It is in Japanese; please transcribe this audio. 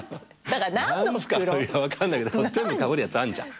だから何の袋？分かんないけど全部かぶるやつあんじゃん。